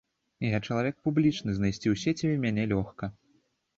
Я чалавек публічны, знайсці ў сеціве мяне лёгка.